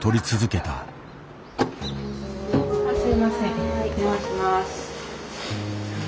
お邪魔します。